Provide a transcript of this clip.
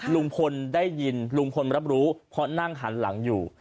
ลุงพลได้ยินลุงพลรับรู้เพราะนั่งหันหลังอยู่